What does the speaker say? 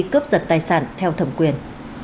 cướp giật tài sản theo thẩm quyền